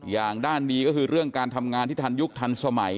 อย่างด้านดีก็คือเรื่องการทำงานที่ทันยุคทันสมัย